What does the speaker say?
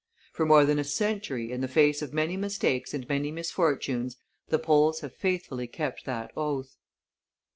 For more than a century, in the face of many misatkes and many misfortunes, the Poles have faithfully kept that oath.